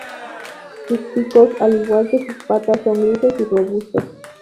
Sus picos, al igual que sus patas, son grises y robustos.